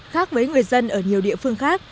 khác với người dân ở nhiều địa phương khác